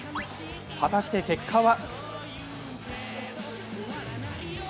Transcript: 果たして結果は？